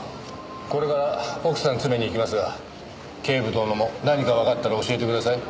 これから奥さん詰めに行きますが警部殿も何かわかったら教えてください。